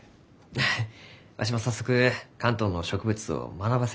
ああわしも早速関東の植物を学ばせてもろうてます。